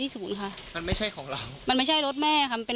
ศูนย์ค่ะมันไม่ใช่ของเรามันไม่ใช่รถแม่ค่ะมันเป็น